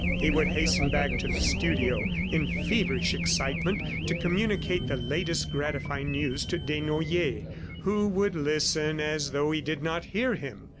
He would hasten back to the studio, in feverish excitement, to communicate the latest gratifying news to Desnoyers who would listen as though he did not hear him.